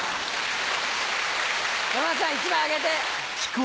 山田さん１枚あげて。